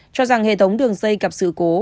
cho rằng hệ thống đường dây gặp sự cố